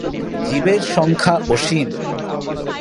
জীবের সংখ্যা অসীম।